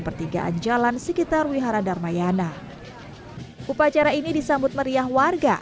pertigaan jalan sekitar wihara dharma yana upacara ini disambut meriah warga